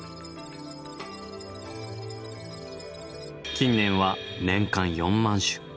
近年は年間４万種。